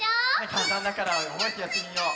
かんたんだからおぼえてやってみよう！